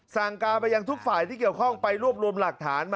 สั่งการไปยังทุกฝ่ายที่เกี่ยวข้องไปรวบรวมหลักฐาน